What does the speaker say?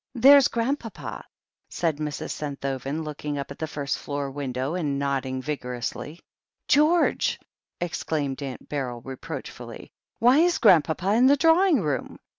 "There's Grandpapa," said Mrs. Senthoven, looking up at a first floor window, and nodding vigorously. "George!" exclaimed Aunt Befyl reproachfully, "why is Grandpapa in the drawing room